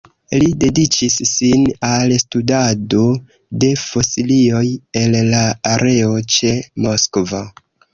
Li dediĉis sin al studado de fosilioj el la areo ĉe Moskvo.